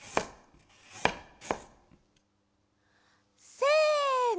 せの！